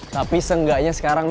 tapi seenggaknya setelah itu